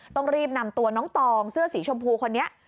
ต้องรีบนำตัวน้องตองเสื้อสีชมพูคนนี้